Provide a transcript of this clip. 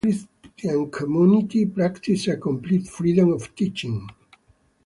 The Christian Community practices a complete freedom of teaching.